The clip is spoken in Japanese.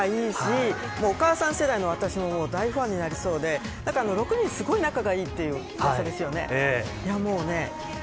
ダンスもキレがいいしお母さん世代の私も大ファンになりそうで６人がすごい仲がいいといううわさですよね。